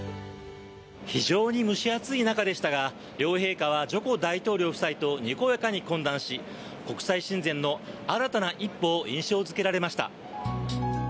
非常に蒸し暑い中でしたが両陛下はジョコ大統領夫妻とにこやかに懇談し国際親善の新たな一歩を印象付けられました。